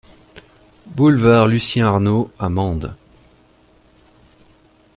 Boulevard Lucien Arnault à Mende